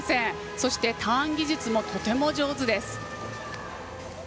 そして、ターン技術もとても上手です。